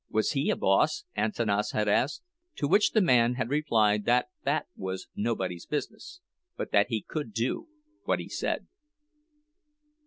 Was he a boss? Antanas had asked; to which the man had replied that that was nobody's business, but that he could do what he said.